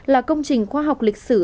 là công trình khoa học lịch sử